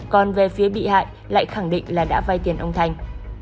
còn về phía bị hại lại khẳng định là đã vay tiền ông thành